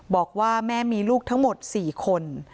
บอกว่าแม่มีลูกทั้งหมด๔คน